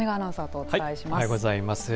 おはようございます。